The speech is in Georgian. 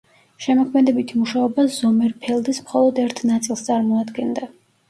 შემოქმედებითი მუშაობა ზომერფელდის მხოლოდ ერთ ნაწილს წარმოადგენდა.